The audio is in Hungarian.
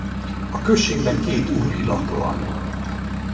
A községben két úrilak van.